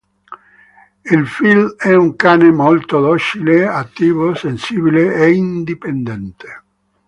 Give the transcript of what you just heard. Il Field è un cane molto docile, attivo, sensibile e indipendente.